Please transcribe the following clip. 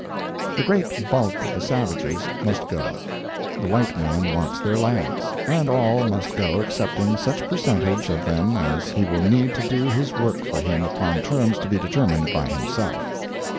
The great bulk of the savages must go. The white man wants their lands, and all must go excepting such percentage of them as he will need to do his work for him upon terms to be determined by himself.